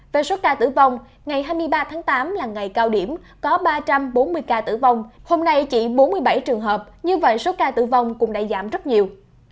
về số ca tử vong ngày hai mươi ba tháng tám là ngày cao điểm có ba trăm bốn mươi ca tử vong hôm nay chỉ bốn mươi bảy trường hợp như vậy số ca tử vong cũng đã giảm rất nhiều